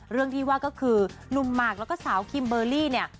เรื่องที่ว่าก็คือหนุ่มหมากแล้วก็สาวคิมเบอร์รี่เนี่ย